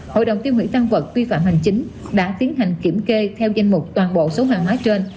hội đồng tiêu hủy tăng vật vi phạm hành chính đã tiến hành kiểm kê theo danh mục toàn bộ số hàng hóa trên